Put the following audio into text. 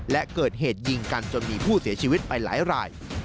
และเกิดเหตุยิงกันจนมีผู้เสียชีวิตไปหลายราย